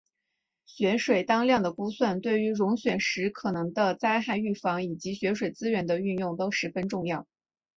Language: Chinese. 雪水当量的估算对于融雪时可能的灾害预防以及雪水资源的运用都十分重要。